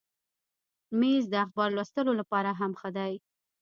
مېز د اخبار لوستلو لپاره هم ښه دی.